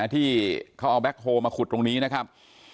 ที่เขาเอาแก๊คโฮลมาขุดตรงนี้นะครับ